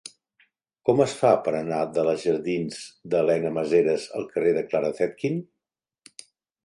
Com es fa per anar de la jardins d'Elena Maseras al carrer de Clara Zetkin?